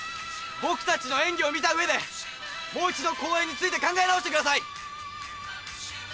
僕たちの演技を見た上でもう一度公演について考え直してください！